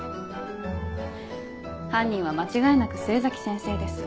犯人は間違いなく末崎先生です。